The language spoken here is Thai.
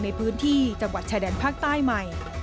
ในพื้นที่จังหวัดชายแดนภาคใต้ใหม่